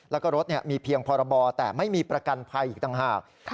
แล้วก็รถมีเพียงพรบแต่ไม่มีประกันภัยอีกต่างหาก